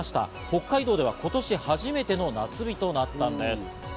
北海道では今年初めての夏日となったんです。